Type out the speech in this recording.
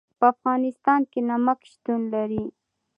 په افغانستان کې نمک شتون لري.